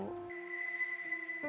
baik pendengar sekalian